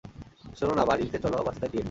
শুনো না, বাড়িতে চলো বাচ্চাদের নিয়ে।